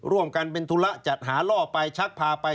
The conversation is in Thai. ร่วมกันเป็นธุระจัดหาล่อไปชักพาไป